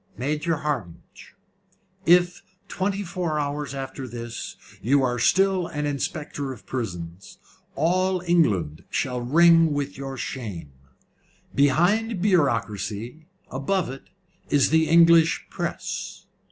"Major Hardinge, if, twenty four hours after this, you are still an Inspector of Prisons, all England shall ring with your shame. Behind bureaucracy above it is the English press."